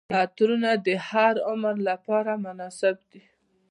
عطرونه د هر عمر لپاره مناسب دي.